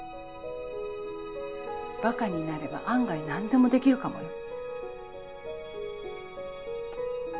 ばかになれば案外何でもできるかもよ。